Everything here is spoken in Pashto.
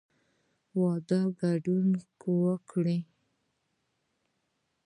د واده ګډون وکړئ